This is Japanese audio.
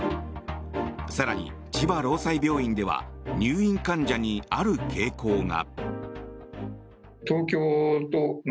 更に、千葉ろうさい病院では入院患者にある傾向が。